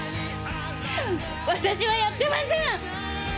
私はやってません。